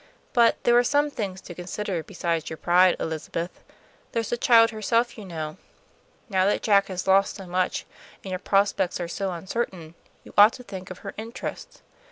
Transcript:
"But there are some things to consider besides your pride, Elizabeth. There's the child herself, you know. Now that Jack has lost so much, and your prospects are so uncertain, you ought to think of her interests.